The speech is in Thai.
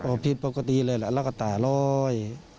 โอ้ผิดปกติเลยแล้วแล้วก็ต่าร้อย